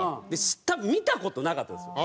多分見た事なかったんですよ。